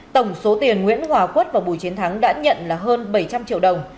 tổng số tiền nguyễn hòa quất và bùi chiến thắng đã nhận là hơn bảy trăm linh triệu đồng